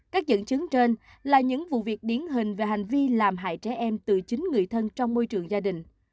các dẫn chứng trên là những vụ việc điển hình về hành vi làm hại trẻ em từ chính người thân trong môi trường gia đình